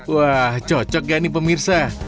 wah cocok ya ini pemirsa